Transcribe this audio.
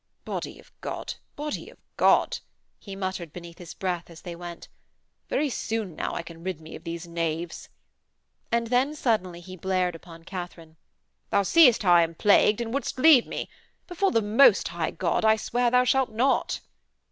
'Body of God, Body of God,' he muttered beneath his breath, as they went, 'very soon now I can rid me of these knaves,' and then, suddenly, he blared upon Katharine: 'Thou seest how I am plagued and would'st leave me. Before the Most High God, I swear thou shalt not.'